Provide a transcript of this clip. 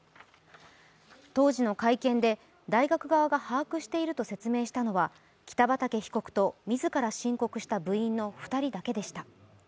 当時の会見で、大学側が把握していると説明したのは北畠被告と自ら申告した部員の２人だけでした。